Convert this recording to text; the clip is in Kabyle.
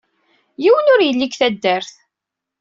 Yiwen ur yelli deg taddart.